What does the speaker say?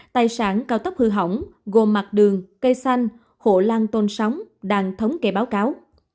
tài sản cao tốc hư hỏng gồm mặt đường cây xanh hộ lan tôn sóng đang thống kê báo cáo